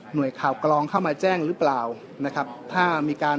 ข่าวกรองเข้ามาแจ้งหรือเปล่านะครับถ้ามีการ